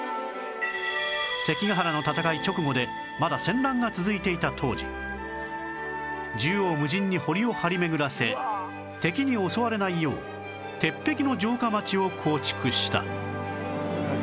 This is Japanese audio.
関ヶ原の戦い直後でまだ戦乱が続いていた当時縦横無尽に堀を張り巡らせ敵に襲われないよう鉄壁の城下町を構築した